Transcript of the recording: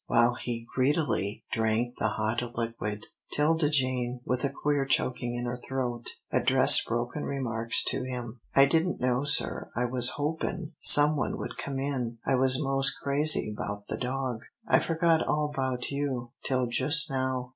While he greedily drank the hot liquid, 'Tilda Jane, with a queer choking in her throat, addressed broken remarks to him. "I didn't know, sir I was hopin' some one would come in I was mos' crazy 'bout the dog I forgot all 'bout you till jus' now."